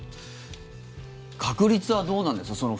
確率はどうなんですか？